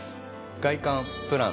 外観プラン